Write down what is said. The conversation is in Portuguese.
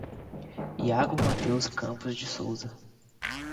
Yago Mateus Campos de Souza